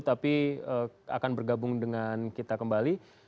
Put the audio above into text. tapi akan bergabung dengan kita kembali